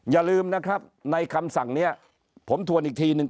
อย่าลืมนะครับในคำสั่งนี้ผมทวนอีกทีนึง